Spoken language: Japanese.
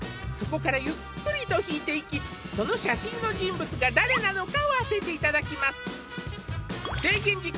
そこからゆっくりと引いていきその写真の人物が誰なのかを当てていただきます